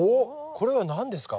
これは何ですか？